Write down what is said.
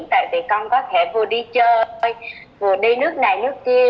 tại vì con có thể vừa đi chơi vừa đi nước này nước kia